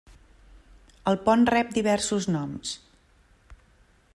El pont rep diversos noms.